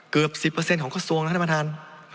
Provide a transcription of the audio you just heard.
เกือบ๑๐ของกระทรวงนะท่านประธาน